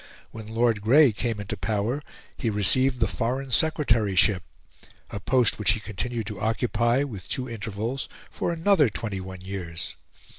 When Lord Grey came into power he received the Foreign Secretaryship, a post which he continued to occupy, with two intervals, for another twenty one years.